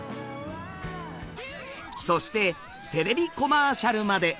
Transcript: そしてテレビコマーシャルまで。